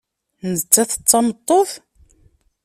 Nettat d tameṭṭut?